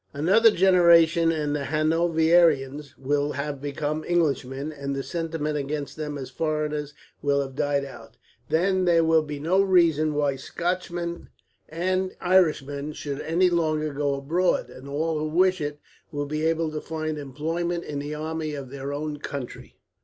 "Another generation and the Hanoverians will have become Englishmen, and the sentiment against them as foreigners will have died out. Then there will be no reason why Scotchmen and Irishmen should any longer go abroad, and all who wish it will be able to find employment in the army of their own country.